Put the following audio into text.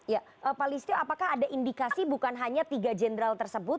ya pak listio apakah ada indikasi bukan hanya tiga jenderal tersebut